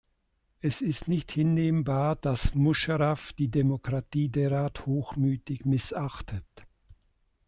Es ist nicht hinnehmbar, dass Musharraf die Demokratie derart hochmütig missachtet.